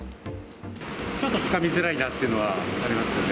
ちょっとつかみづらいなっていうのはありますね。